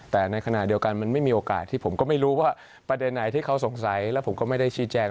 แต่ในขณะเดียวกันมันไม่มีโอกาสที่ผมก็ไม่รู้ว่าประเด็นไหนที่เขาสงสัยแล้วผมก็ไม่ได้ชี้แจง